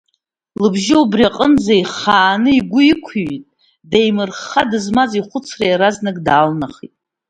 Лыбжьы убри аҟынӡа ихааны игәы иқәыҩит, деимырхха дызмаз ахәыцра иаразнак даалнахит.